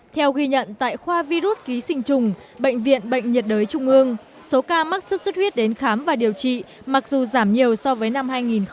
theo ghi nhận tại khoa virus ký sinh trùng bệnh viện bệnh nhiệt đới trung ương số ca mắc xuất xuất huyết đến khám và điều trị mặc dù giảm nhiều so với năm hai nghìn một mươi tám